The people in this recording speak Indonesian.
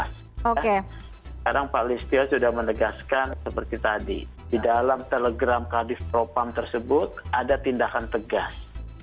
sekarang pak listio sudah menegaskan seperti tadi di dalam telegram kadif propam tersebut ada tindakan tegas